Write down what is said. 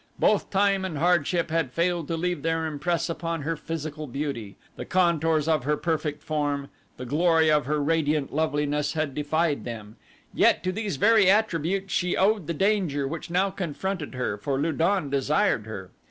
Both time and hardship had failed to leave their impress upon her physical beauty the contours of her perfect form, the glory of her radiant loveliness had defied them, yet to these very attributes she owed the danger which now confronted her, for Lu don desired her.